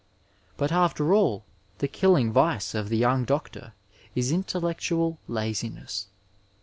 But after all the killing vice of the young doctor is intellectual laziness.